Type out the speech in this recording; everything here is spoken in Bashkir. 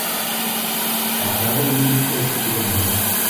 У хәҙер мин эт тигән һүҙ.